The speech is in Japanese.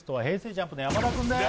ＪＵＭＰの山田くんです